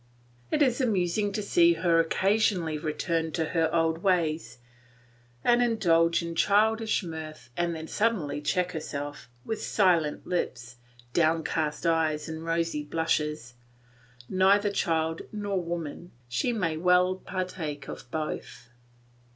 It is amusing to see her occasionally return to her old ways and indulge in childish mirth and then suddenly check herself, with silent lips, downcast eyes, and rosy blushes; neither child nor woman, she may well partake of both.